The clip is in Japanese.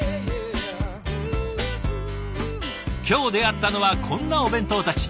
今日出会ったのはこんなお弁当たち。